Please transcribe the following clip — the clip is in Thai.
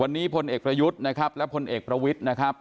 วันนี้พลเอกประยุทธ์นะครับและพลเอกประวิทย์นะครับ